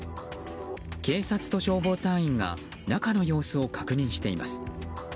警察と消防隊員が中の様子を確認しています。